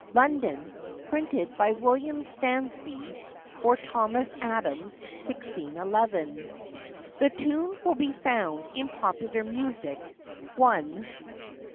London, printed by William Stansby, for Thomas Adams, 1611. The tune will be found in Popular Music, I.